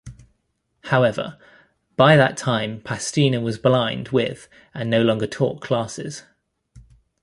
However, by that time Pastinha was blind with and no longer taught classes.